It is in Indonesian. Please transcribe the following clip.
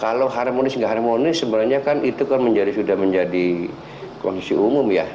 kalau harmonis nggak harmonis sebenarnya kan itu kan sudah menjadi kondisi umum ya